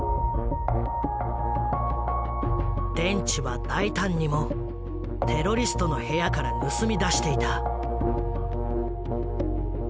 電池は大胆にもテロリストの部屋から盗み出していた。